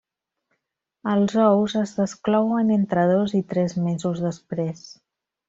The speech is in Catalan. Els ous es desclouen entre dos i tres mesos després.